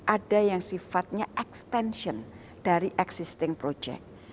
ada yang sifatnya extension dari existing project